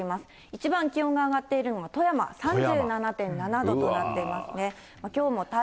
一番気温が上がっているのが富山、３７．７度となっていますね。